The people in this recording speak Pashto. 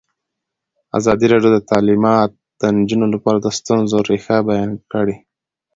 ازادي راډیو د تعلیمات د نجونو لپاره د ستونزو رېښه بیان کړې.